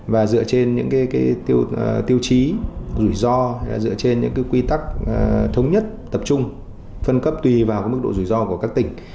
và dựa trên những tiêu chí rủi ro dựa trên những quy tắc thống nhất tập trung phân cấp tùy vào mức độ rủi ro của các tỉnh